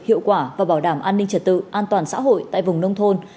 hiệu quả và bảo đảm an ninh trật tự an toàn xã hội tại vùng nông thôn